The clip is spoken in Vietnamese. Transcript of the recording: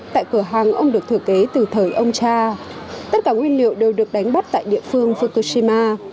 tại cửa hàng ông được thừa kế từ thời ông cha tất cả nguyên liệu đều được đánh bắt tại địa phương fukushima